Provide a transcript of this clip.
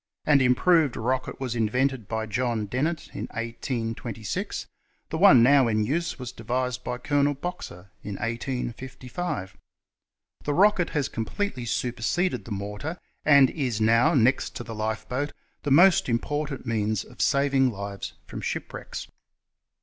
An improved rocket was invented by John Dennett [q. v.] in 1826 ; the one now in use was devised by Colonel Boxer in 1855. The rocket has completely superseded the mortar, and is now, next to the lifeboat, the most important means of saving lives from shipwrecks.